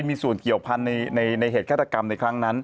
มีส่วนเกี่ยวพันธุ์ในเหตุฆาตกรรมในครั้งนั้น